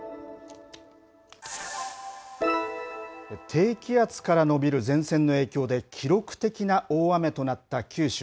低気圧から延びる前線の影響で、記録的な大雨となった九州。